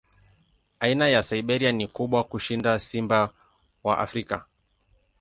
Aina ya Siberia ni kubwa kushinda simba wa Afrika.